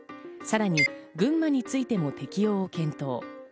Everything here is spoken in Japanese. さらに群馬についても適用を検討。